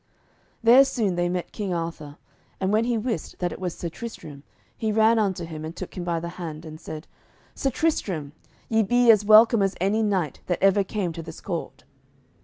There soon they met King Arthur, and when he wist that it was Sir Tristram, he ran unto him and took him by the hand and said, "Sir Tristram, ye be as welcome as any knight that ever came to this court."